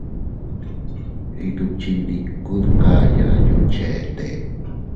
Iydukchindiku dkayaa yuncheete.